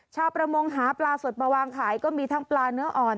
ชาวประมงหาปลาสดมาวางขายก็มีทั้งปลาเนื้ออ่อน